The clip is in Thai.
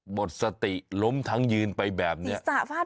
หมดสติล้มทั้งยืนไปแบบนี้